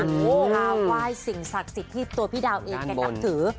ภาวายสิ่งศักดิ์ศิษย์ที่ตัวพิดาวเองกันกับถือ